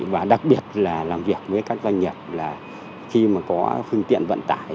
và đặc biệt là làm việc với các doanh nghiệp là khi mà có phương tiện vận tải